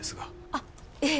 あっいえ